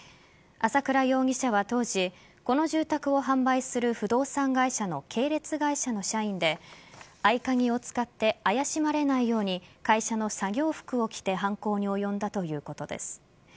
朝倉容疑者は当時この住宅を販売する不動産会社の系列会社の社員で合鍵を使って怪しまれないように会社の作業服を着て犯行に及んだということです。